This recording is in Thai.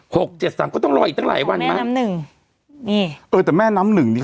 หกเจ็ดสามก็ต้องรออีกตั้งหลายวันไหมน้ำหนึ่งนี่เออแต่แม่น้ำหนึ่งนี่